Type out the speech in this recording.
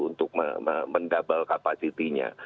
untuk mendouble kapasitinya